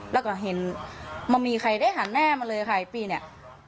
แล้วก็เห็นไม่มีใครได้หันหน้ามาเลยค่ะไอปีเนี่ย